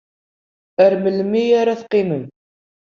Ar melmi ara teqqimemt?